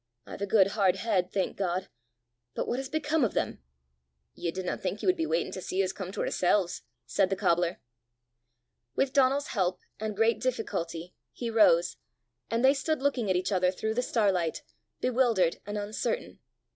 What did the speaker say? "I've a good hard head, thank God! But what has become of them?" "Ye didna think he wud be waitin' to see 's come to oorsel's!" said the cobbler. With Donal's help, and great difficulty, he rose, and they stood looking at each other through the starlight, bewildered and uncertain.